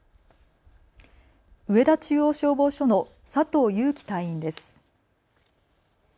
上田中央消防署の佐藤優樹隊員です。